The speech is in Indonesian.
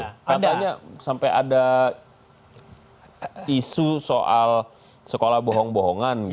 katanya sampai ada isu soal sekolah bohong bohongan